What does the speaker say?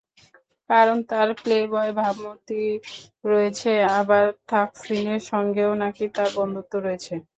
কারণ, তাঁর প্লেবয় ভাবমূর্তি রয়েছে, আবার থাকসিনের সঙ্গেও নাকি তাঁর বন্ধুত্ব রয়েছে।